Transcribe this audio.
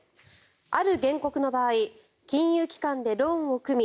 ある原告の場合金融機関でローンを組み